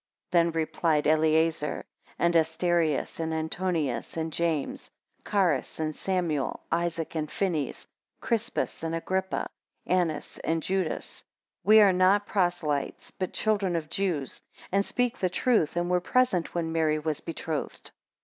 12 Then replied Eleazer, and Asterius, and Antonius, and James, Caras and Samuel, Isaac and Phinees, Crispus and Agrippa, Annas and Judas, We are not proselytes, but children of Jews, and speak the truth, and were present when Mary was betrothed.